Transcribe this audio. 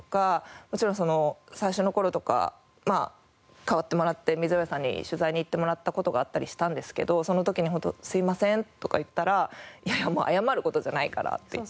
もちろんその最初の頃とか代わってもらって溝上さんに取材に行ってもらった事があったりしたんですけどその時に「すいません」とか言ったら「いやいや謝る事じゃないから」って言ってくれて。